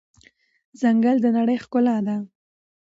ځنګل د نړۍ ښکلا ده.